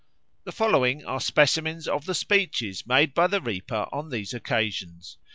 The following are specimens of the speeches made by the reaper on these occasions.